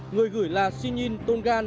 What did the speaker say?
người gửi là sinh nhiên tôn gan